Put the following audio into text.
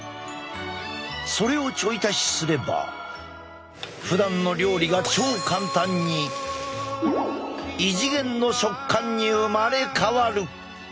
それをちょい足しすればふだんの料理が超簡単に異次元の食感に生まれ変わる！